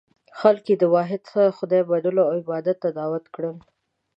خلک یې د واحد خدای منلو او عبادت ته دعوت کړل.